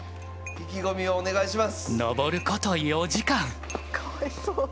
意気込みをお願いします！